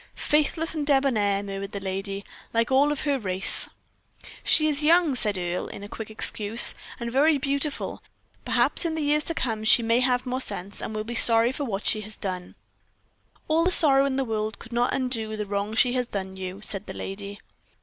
"Faithless and debonair," murmured the lady, "like all of her race." "She is young," said Earle, in quick excuse, "and very beautiful. Perhaps in the years to come she may have more sense, and will be sorry for what she has done." "All the sorrow in the world could not undo the wrong she has done you," said the lady.